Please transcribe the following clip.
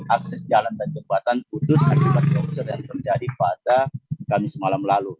akses jalan dan kekuatan putus dan juga jauh sering terjadi pada kami semalam lalu